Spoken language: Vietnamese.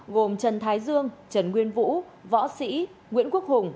gồm trần thái dương trần nguyên vũ võ sĩ nguyễn quốc hùng